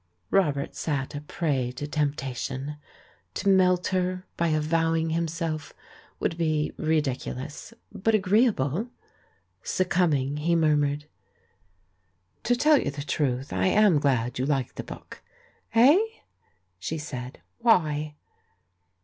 Robert sat a prey to tempation. To melt her by avowing himself would be ridiculous, but agreeable. Succumbing, he murmured: THE LADY OF LYONS' 321 "To tell you the truth, I am glad you like the book." "Eh?" she said. "Why?"